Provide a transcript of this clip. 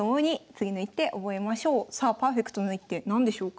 さあパーフェクトな一手何でしょうか？